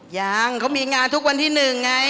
ยังเขามีงานทุกวันที่๑ไง